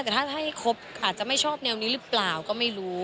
แต่ถ้าให้ครบอาจจะไม่ชอบแนวนี้หรือเปล่าก็ไม่รู้